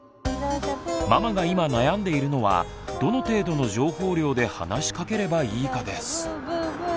ママが今悩んでいるのはどの程度の情報量で話しかければいいかです。